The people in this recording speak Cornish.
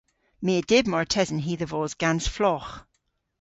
My a dyb martesen hi dhe vos gans flogh.